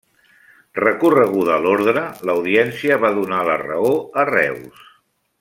Recorreguda l'ordre, l'Audiència va donar la raó a Reus.